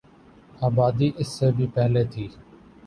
آبادی اس سے بھی پہلے تھی